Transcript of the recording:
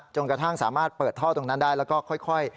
จนกระทั่งสามารถเปิดท่อตรงนั้นได้แล้วก็ค่อย